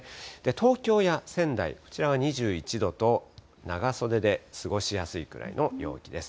東京や仙台、こちらは２１度と、長袖で過ごしやすいくらいの陽気です。